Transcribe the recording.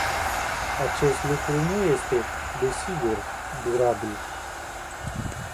Acest lucru nu este, desigur, durabil.